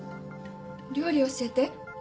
料理教えて